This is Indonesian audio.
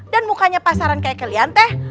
dan mukanya pasaran kayak kalian teh